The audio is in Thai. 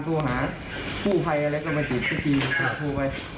โทรหาผู้ภัยอะไรก็มาติดช่วยทีโทรไป